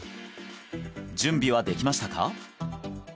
準備はできましたか？